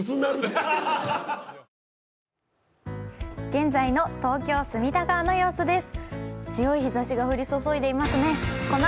現在の東京・隅田川の様子です。